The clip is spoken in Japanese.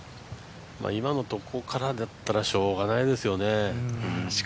今のところからだったらしようがないですよね。